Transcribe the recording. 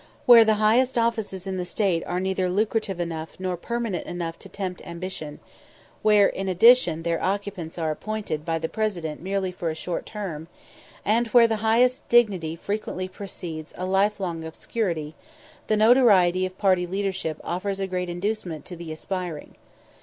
Where the highest offices in the State are neither lucrative enough nor permanent enough to tempt ambition where, in addition, their occupants are appointed by the President merely for a short term and where the highest dignity frequently precedes a lifelong obscurity, the notoriety of party leadership offers a great inducement to the aspiring.